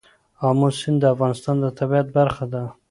آمو سیند د افغانستان د طبیعت برخه ده.